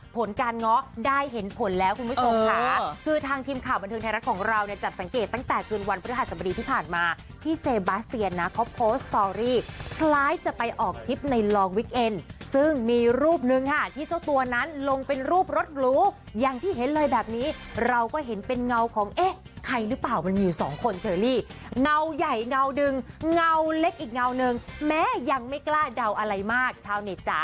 ผลการง้อได้เห็นผลแล้วคุณผู้ชมค่ะคือทางทีมข่าวบันทึงไทยรัฐของเราเนี่ยจัดสังเกตตั้งแต่คืนวันพฤหัสบรีที่ผ่านมาที่เซบาเซียนะเขาโพสตอรี่คล้ายจะไปออกคลิปในลองวิคเอ็นต์ซึ่งมีรูปหนึ่งค่ะที่เจ้าตัวนั้นลงเป็นรูปรดหลูอย่างที่เห็นเลยแบบนี้เราก็เห็นเป็นเงาของเอ๊ะใครหรือเปล่ามัน